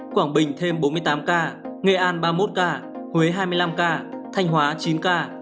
quảng bình thêm bốn mươi tám ca nghệ an ba mươi một ca huế hai mươi năm ca thanh hóa chín ca